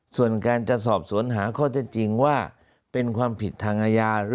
ส่วนการจะสอบสวนหาข้อเท็จจริงว่าเป็นความผิดทางอาญา